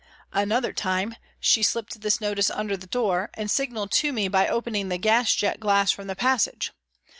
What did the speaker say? Another time she slipped this notice under the door, and signalled to me by opening the gas jet glass from the passage.